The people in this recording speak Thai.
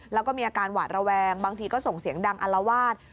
แล้วก็มีอาการหวาดระแวงบางทีก็ส่งเสียงดังอัลวาด